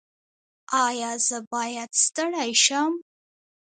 ایا زه باید ستړی شم؟